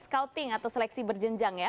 scouting atau seleksi berjenjang ya